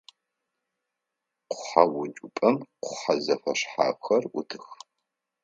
Къухьэуцупӏэм къухьэ зэфэшъхьафхэр ӏутых.